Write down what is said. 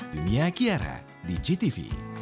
dunia kiara di ctv